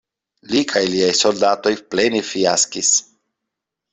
Li kaj liaj soldatoj plene fiaskis.